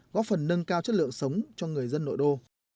góp phần nâng cao chất lượng sống cho người dân nội đô